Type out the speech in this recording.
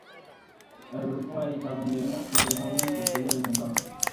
El grupo ha editado una demo y tres álbumes de estudio desde entonces.